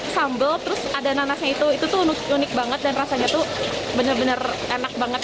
sambal terus ada nanasnya itu itu tuh unik banget dan rasanya tuh bener bener enak banget